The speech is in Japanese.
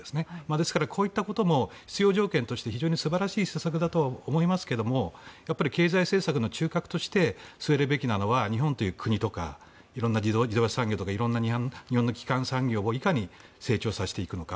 ですからこういったことも必要条件として非常に素晴らしい施策だとは思いますが経済政策の中核として据えるべきなのは日本という国とか色んな自動車産業とか色んな日本の基幹産業をいかに成長させていくのか。